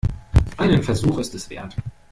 Einen Versuch ist es wert.